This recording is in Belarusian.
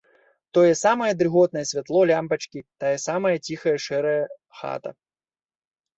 Тое самае дрыготнае святло лямпачкі, тая самая ціхая шэрая хата.